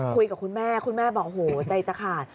คุยกับคุณแม่คุณแม่บอกโอ้โหใจจะขาด